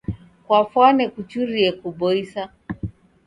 Kwafwane kuchurie kuboisa.